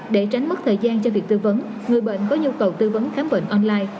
để tránh mất thời gian cho việc tư vấn người bệnh có nhu cầu tư vấn khám bệnh online